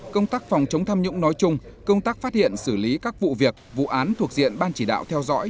công tác phòng chống tham nhũng nói chung công tác phát hiện xử lý các vụ việc vụ án thuộc diện ban chỉ đạo theo dõi